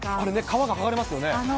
皮が剥がれますよね。